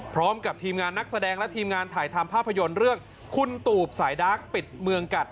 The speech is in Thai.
พร้อมกับทีมงานนักแสดงและทีมงานถ่ายทำภาพยนตร์เรื่องคุณตูบสายดาร์กปิดเมืองกัด